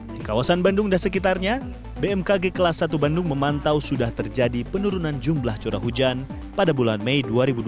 di kawasan bandung dan sekitarnya bmkg kelas satu bandung memantau sudah terjadi penurunan jumlah curah hujan pada bulan mei dua ribu dua puluh